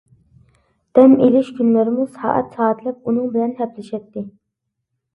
دەم ئېلىش كۈنلىرىمۇ سائەت-سائەتلەپ ئۇنىڭ بىلەن ھەپىلىشەتتى.